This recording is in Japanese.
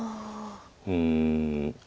うん。